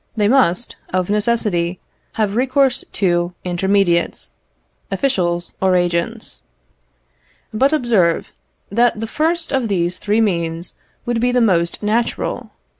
They must, of necessity, have recourse to intermediates, officials or agents. But observe, that the first of these three means would be the most natural.